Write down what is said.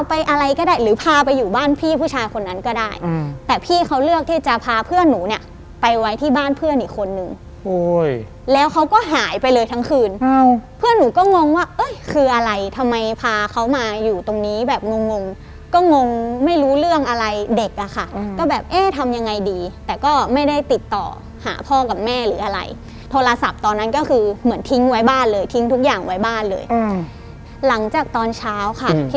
อะไรก็ได้หรือพาไปอยู่บ้านพี่ผู้ชายคนนั้นก็ได้แต่พี่เขาเลือกที่จะพาเพื่อนหนูเนี่ยไปไว้ที่บ้านเพื่อนอีกคนนึงแล้วเขาก็หายไปเลยทั้งคืนเพื่อนหนูก็งงว่าเอ้ยคืออะไรทำไมพาเขามาอยู่ตรงนี้แบบงงงก็งงไม่รู้เรื่องอะไรเด็กอะค่ะก็แบบเอ๊ะทำยังไงดีแต่ก็ไม่ได้ติดต่อหาพ่อกับแม่หรืออะไรโทรศัพท์ตอนนั้นก็คือเหมือนทิ้งไว้บ้านเลยทิ้งทุกอย่างไว้บ้านเลยอืมหลังจากตอนเช้าค่ะพี่